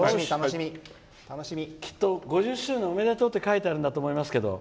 「５０周年おめでとう」って書いてあると思いますが。